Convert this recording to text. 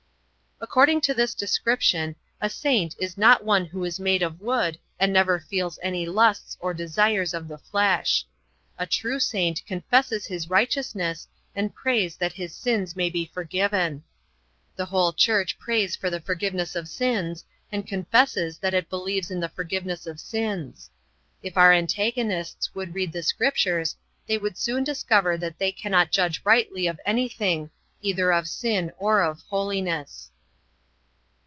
According to this description a saint is not one who is made of wood and never feels any lusts or desires of the flesh. A true saint confesses his righteousness and prays that his sins may be forgiven. The whole Church prays for the forgiveness of sins and confesses that it believes in the forgiveness of sins. If our antagonists would read the Scriptures they would soon discover that they cannot judge rightly of anything, either of sin or of holiness.